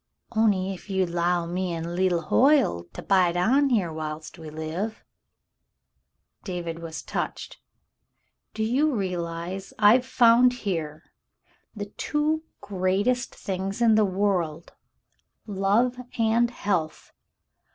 On'y ef ye'd 'low me an* leetle Hoyle to bide on here whilst we live —" David was touched. "Do you realize I've found here the two greatest things in the world, love and health